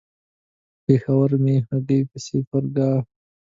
پېښور مې همګي پسې پره کا.